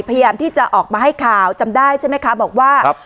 พยายามที่จะออกมาให้ข่าวจำได้ใช่ไหมคะบอกว่า